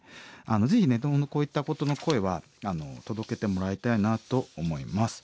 ぜひねこういったことの声は届けてもらいたいなと思います。